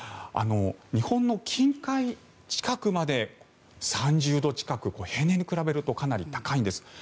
日本の近海近くまで３０度近く平年に比べるとかなり高いんです。